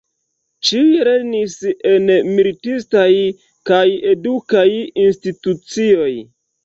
Ĉiuj lernis en militistaj kaj edukaj institucioj.